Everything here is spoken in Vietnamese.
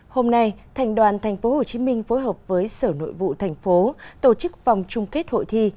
hôm nay thành đoàn tp hcm phối hợp với sở nội vụ thành phố tổ chức vòng chung kết hội thi